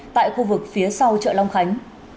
tại khu vực phía sau chợ long khánh